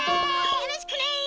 よろしくね！